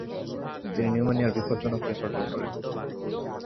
তিনি নিউমোনিয়ার বিপজ্জনক কেস অর্জন করেন।